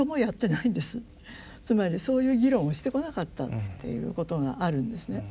つまりそういう議論をしてこなかったっていうことがあるんですね。